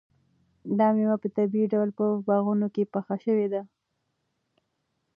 دا مېوې په طبیعي ډول په باغونو کې پخې شوي دي.